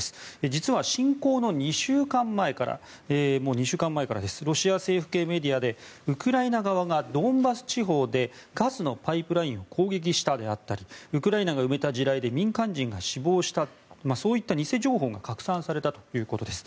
実は侵攻の２週間前からロシア政府系メディアでウクライナ側がドンバス地方でガスのパイプラインを攻撃したであったりウクライナが埋めた地雷で民間人が死亡したそういった偽情報が拡散されたということです。